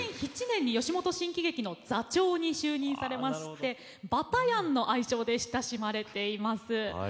２００７年に吉本新喜劇の座長に就任されまして「バタヤン」の愛称で親しまれています。